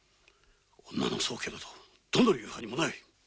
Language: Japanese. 女の宗家などどの流派にもない。